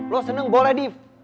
lo seneng boleh div